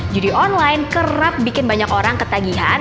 judi online kerap bikin banyak orang ketagihan